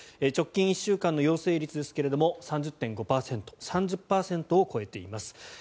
直近１週間の陽性率ですが３０．５％３０％を超えています。